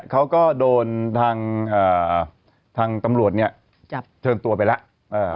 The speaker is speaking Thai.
เขาก็โดนทางตำรวจเชิญตัวไปแล้ว